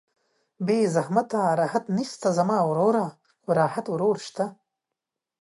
بې زحمته راحت نسته زما وروره